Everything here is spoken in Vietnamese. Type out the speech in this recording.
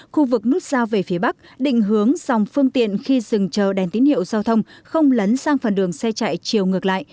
khu vực nút giao về phía bắc định hướng dòng phương tiện khi dừng chờ đèn tín hiệu giao thông không lấn sang phần đường xe chạy chiều ngược lại